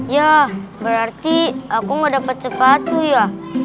yah berarti aku gak dapat cepat tuh ya